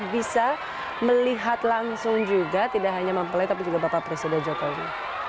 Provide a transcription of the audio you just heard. bisa melihat langsung juga tidak hanya mempelai tapi juga bapak presiden jokowi